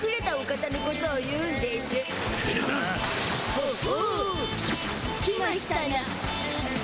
ほほう来ましゅたな。